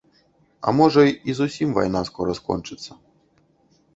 А можа, і зусім вайна скора скончыцца.